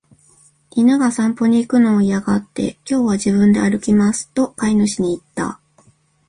犬が散歩に行くのを嫌がって、「今日は自分で歩きます」と飼い主に言った。